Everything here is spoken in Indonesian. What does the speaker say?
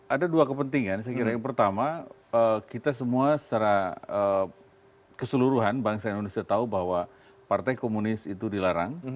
ada dua kepentingan saya kira yang pertama kita semua secara keseluruhan bangsa indonesia tahu bahwa partai komunis itu dilarang